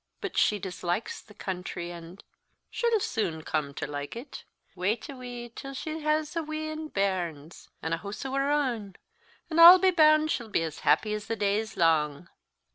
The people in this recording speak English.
"But she dislikes the country, and " "She'll soon come to like it. Wait a wee till she has a wheen bairns, an' a hoose o' her ain, an' I'll be bound she'll be happy as the day's lang."